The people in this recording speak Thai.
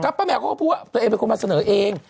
ป้าแมวเขาก็พูดว่าตัวเองเป็นคนมาเสนอเอง